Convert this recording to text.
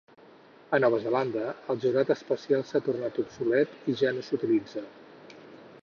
A Nova Zelanda, el jurat especial s'ha tornat obsolet i ja no s'utilitza.